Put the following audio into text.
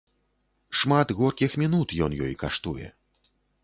Шмат горкіх мінут ён ёй каштуе.